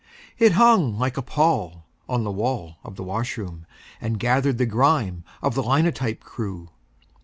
It hung like a pall on the wall of the washroom, And gathered the grime of the linotype crew.